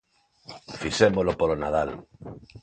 Fixémolo polo Nadal.